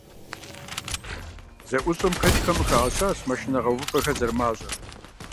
ЗэӀущӀэм хэтхэм къыхагъэщащ машинэ гъэувыпӀэхэр зэрымащӀэр.